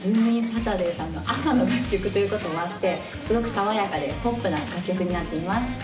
サタデーさんの朝の楽曲ということもあって、すごく爽やかでポップな楽曲になっています。